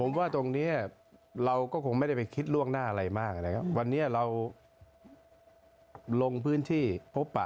ผมว่าตรงเนี้ยเราก็คงไม่ได้ไปคิดล่วงหน้าอะไรมากนะครับวันนี้เราลงพื้นที่พบปะ